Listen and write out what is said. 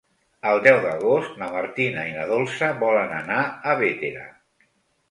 El deu d'agost na Martina i na Dolça volen anar a Bétera.